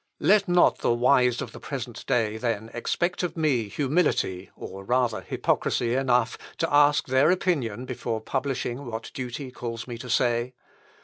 "Let not the wise of the present day, then, expect of me humility, or rather hypocrisy enough, to ask their opinion before publishing what duty calls me to say.